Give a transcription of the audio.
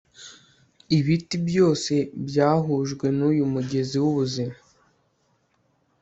ibiti, byose byahujwe nuyu mugezi wubuzima